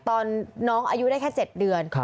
ตอนน้องอายุได้แค่๗เดือน